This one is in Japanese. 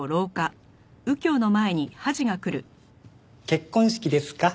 結婚式ですか？